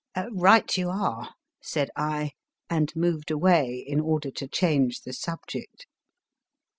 1 Right you are, said I, and moved away in order to change the subject.